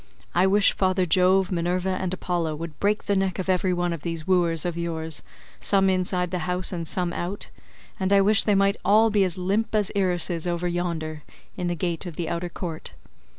I wish Father Jove, Minerva, and Apollo would break the neck of every one of these wooers of yours, some inside the house and some out; and I wish they might all be as limp as Irus is over yonder in the gate of the outer court.